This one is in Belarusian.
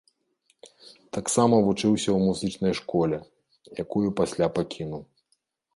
Таксама вучыўся ў музычнай школе, якую пасля пакінуў.